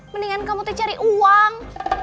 mendingan kamu cari uang